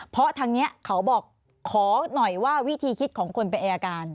เพราะทางนี้เขาบอกขอหน่อยว่าวิธีคิดของคนเป็นอายการ